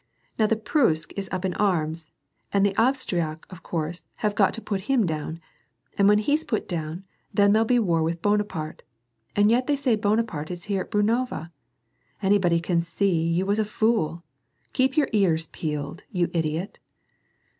Now^ the Prusak is up in arms; and the Avstriak of course, have got to put him down. And when he's put down then there'll be war with Bunaparte. And yet they say Bunaparte is here at Brunova! Anybody could see you was a fool I Keep 3'our ears peeled, you idiot